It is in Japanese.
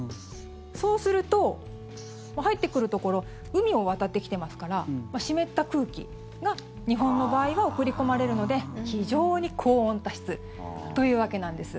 そうすると、入ってくるところ海を渡ってきてますから湿った空気が日本の場合は送り込まれるので非常に高温多湿というわけなんです。